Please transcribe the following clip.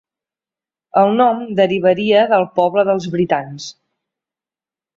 El nom derivaria del poble dels britans.